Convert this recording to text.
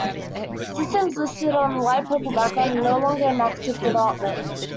Systems listed on a light purple background are no longer in active development.